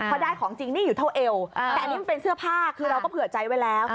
พอได้ของจริงนี่อยู่เท่าเอวแต่อันนี้มันเป็นเสื้อผ้าคือเราก็เผื่อใจไว้แล้ว